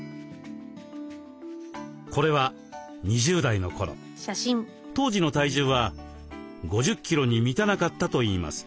これは当時の体重は５０キロに満たなかったといいます。